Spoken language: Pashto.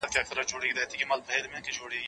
زه به اوږده موده د کتابتوننۍ سره مرسته کړې وم؟